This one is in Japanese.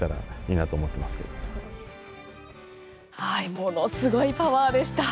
ものすごいパワーでした。